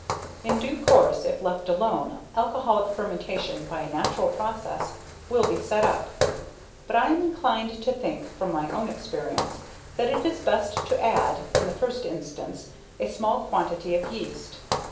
] In due course, if left alone, alcoholic fermentation, by a natural process, will be set up; but I am inclined to think, from my own experience, that it is best to add, in the first instance, a small quantity of yeast.